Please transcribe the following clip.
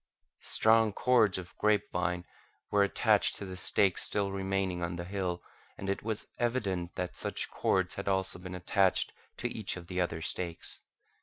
Strong cords of grape vine were attached to the stakes still remaining on the hill, and it was evident that such cords had also been attached to each of the other stakes.